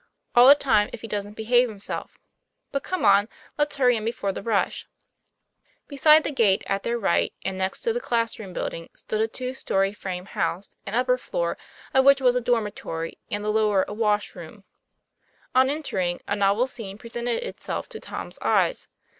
"All the time, if he doesn't behave himself. But come on; let's hurry in before the rush." Beside the gate, at their right, and next to the class room building, stood a two story frame house, the upper floor of which was a dormitory and the lower a wash room. On entering, a novel scene presented itself to Tom's eyes.